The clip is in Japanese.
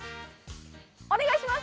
お願いします。